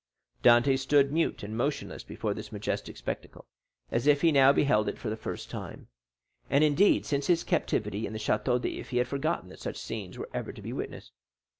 Dantès stood mute and motionless before this majestic spectacle, as if he now beheld it for the first time; and indeed since his captivity in the Château d'If he had forgotten that such scenes were ever to be witnessed.